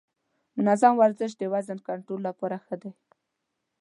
منظم ورزش د وزن کنټرول لپاره ښه دی.